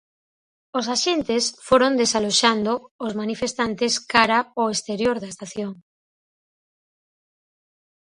Os axentes foron desaloxando os manifestantes cara ao exterior da estación.